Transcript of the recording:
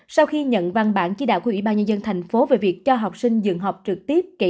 sau khi nhận văn bản chỉ đạo của ủy ban nhân dân thành phố về việc cho học sinh dừng học trực tiếp